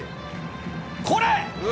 これ！